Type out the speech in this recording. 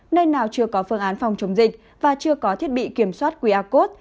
nơi nào chưa có phương án phòng chống dịch và chưa có thiết bị kiểm soát qr code